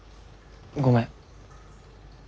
ごめん。